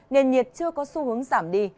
nền nhiệt chưa có xu hướng giảm đi